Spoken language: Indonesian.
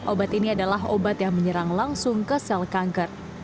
obat ini adalah obat yang menyerang langsung ke sel kanker